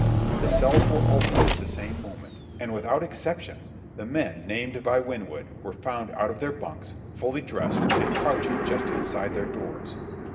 The cells were opened at the same moment, and without exception the men named by Winwood were found out of their bunks, fully dressed, and crouching just inside their doors.